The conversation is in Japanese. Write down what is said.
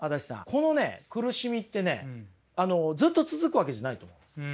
このね苦しみってねずっと続くわけじゃないと思うんです。